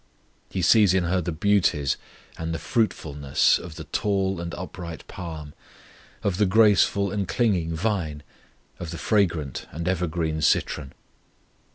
He sees in her the beauties and the fruitfulness of the tall and upright palm, of the graceful and clinging vine, of the fragrant and evergreen citron.